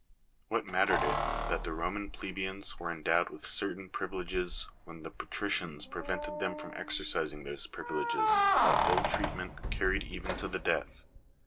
What mattered it that the Roman plebeians were endowed with certain privileges, when the patricians prevented them from exercising those privileges by ill treatment carried even to the death